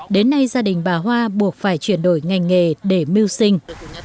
đến nay gia đình bà hoa buộc phải chuyển đổi ngành nghề để mưu sinh